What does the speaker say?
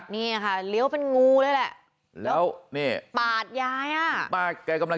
นี่ค่ะเลี้ยวเป็นงูแล้วแหละแล้วเนี้ยป่าดย้าย